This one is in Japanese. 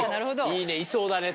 いいねいそうだね